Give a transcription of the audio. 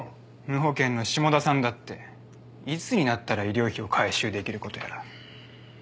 無保険の下田さんだっていつになったら医療費を回収できることやら。